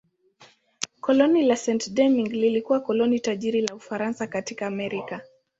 Koloni la Saint-Domingue lilikuwa koloni tajiri la Ufaransa katika Amerika.